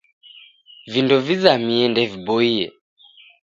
Vindo vizamie ndeviboie